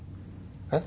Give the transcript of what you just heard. えっ？